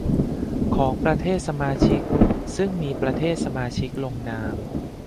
ของประเทศสมาชิกซึ่งมีประเทศสมาชิกลงนาม